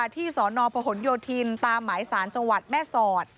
ที่สอนอพโฮนโยธินตามหมายสารจังหวัดแม่ศอด